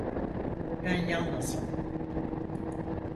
Ben yalnızım.